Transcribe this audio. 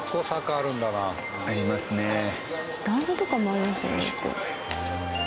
段差とかもありますよね。